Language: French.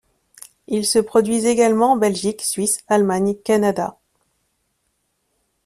Ils se produisent également en Belgique, Suisse, Allemagne, Canada.